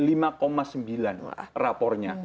walaupun publiknya memberikan lima sembilan rapor